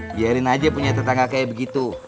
biarin aja punya tetangga kayak begitu